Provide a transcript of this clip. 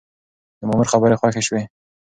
د مامور خبرې خوښې شوې.